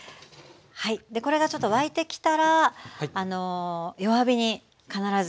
はいでこれがちょっと沸いてきたら弱火に必ずして下さい。